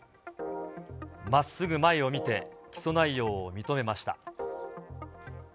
まっすぐ前を見て、起訴内容を認めました。